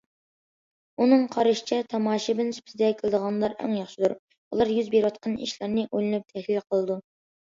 ئۇنىڭ قارىشىچە، تاماشىبىن سۈپىتىدە كېلىدىغانلار ئەڭ ياخشىدۇر، ئۇلار يۈز بېرىۋاتقان ئىشلارنى ئويلىنىپ، تەھلىل قىلىدۇ.